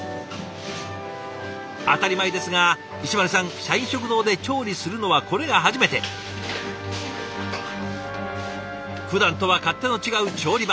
当たり前ですが石丸さん社員食堂で調理するのはこれが初めて。ふだんとは勝手の違う調理場。